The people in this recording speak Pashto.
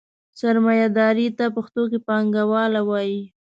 سرمایهداري ته پښتو کې پانګواله وایي.